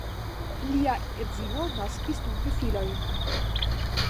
Lia edzino naskis du gefilojn.